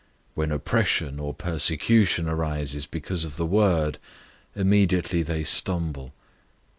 When oppression or persecution arises because of the word, immediately they stumble.